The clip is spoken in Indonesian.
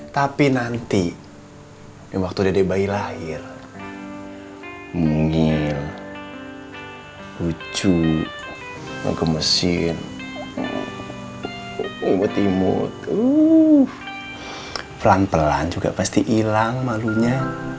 tapi nanti waktu dede bayi lahir mungil lucu mesin umbut timur pelan pelan juga pasti hilang malunya